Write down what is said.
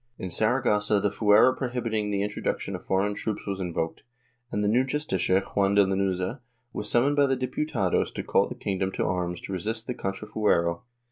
In Saragossa the fuero prohibiting the introduction of foreign troops was invoked, and the new Justicia, Juan de Lanuza, was summoned by the Diputados to call the king dom to arms to resist the contrafuero.